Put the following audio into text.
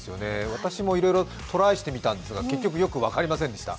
私もいろいろトライしてみたんですが結局よく分かりませんでした。